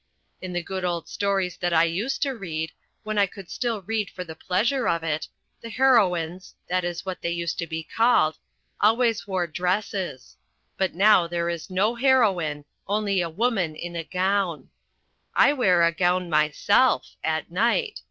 In the good old stories that I used to read, when I could still read for the pleasure of it, the heroines that was what they used to be called always wore dresses. But now there is no heroine, only a woman in a gown. I wear a gown myself at night.